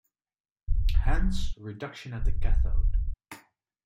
Hence, reduction at the cathode.